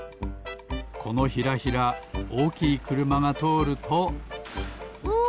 このヒラヒラおおきいくるまがとおるとうわ！